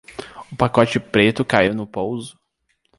O pacote preto caiu no pouso.